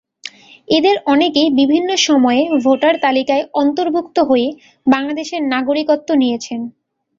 এদের অনেকেই বিভিন্ন সময়ে ভোটার তালিকায় অন্তভুর্ক্ত হয়ে বাংলাদেশের নাগরিকত্ব নিয়েছেন।